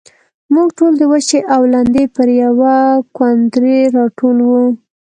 موږ ټول د وچې او لندې پر يوه کوندرې راټول وو.